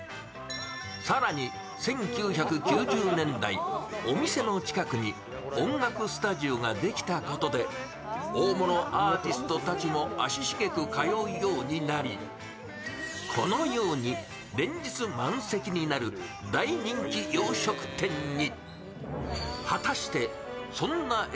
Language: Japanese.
更に、１９９０年代お店の近くに音楽スタジオができたことで、大物アーティストたちも足しげく通うようになりこのように連日、満席になる大人気洋食店に。